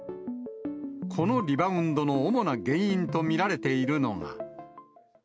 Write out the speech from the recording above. このリバウンドの主な原因と見られているのが。